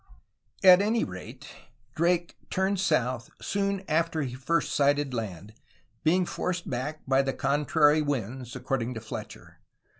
At any rate, Drake turned south soon after he first sighted land, being forced back by the contrary winds, according to Fletcher.